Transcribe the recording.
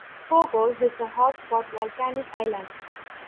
Fogo is a hotspot volcanic island.